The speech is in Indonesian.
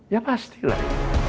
ya pasti lah